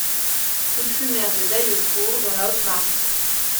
Il fut maire de Daillecourt, dans la Haute-Marne.